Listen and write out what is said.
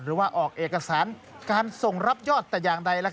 ออกเอกสารการส่งรับยอดแต่อย่างใด